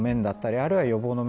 あるいは予防の面